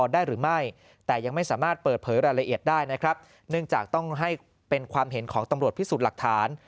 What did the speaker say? ได้นะครับเนื่องจากต้องให้เป็นความเห็นของตำรวจพิสูจน์หลักฐาน